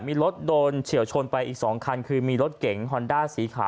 มีรถโดนเฉียวชนไปอีก๒คันคือมีรถเก๋งฮอนด้าสีขาว